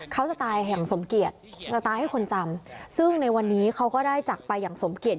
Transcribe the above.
เขาจะตายอย่างสมเกียจจะตายให้คนจำซึ่งในวันนี้เขาก็ได้จักรไปอย่างสมเกียจ